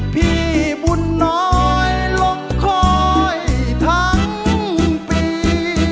พี่บุญน้อยลงคอยทั้งปี